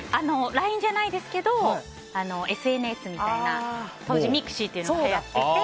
ＬＩＮＥじゃないですけどＳＮＳみたいな当時、ｍｉｘｉというのが流行ってて